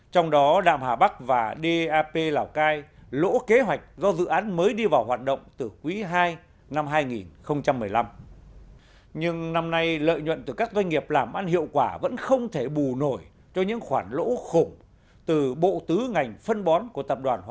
trong đó đạm hà bắc dap số hai vinachem dap lào cai dap ninh bình và công ty của phần xà phòng hà nội hasso với tổng lỗ phát sinh một bốn trăm sáu mươi tỷ đồng